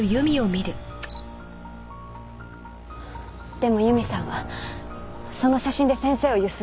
でも由美さんはその写真で先生を強請った。